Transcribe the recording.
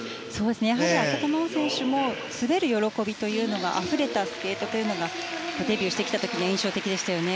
やはり、浅田真央選手も滑る喜びというのがあふれたスケートがデビューしてきた時印象的でしたね。